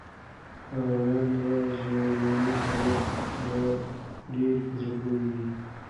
ویاند وویل چې نننۍ سیالي به ډېره په زړه پورې وي.